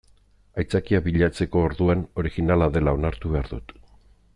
Aitzakiak bilatzeko orduan originala dela onartu behar dut.